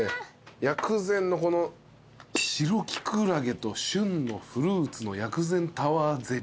薬膳の白キクラゲと旬のフルーツの薬膳タワーゼリー。